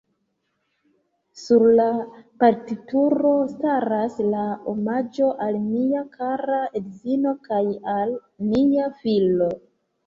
Sur la partituro staras la omaĝo: "Al mia kara edzino kaj al nia filo.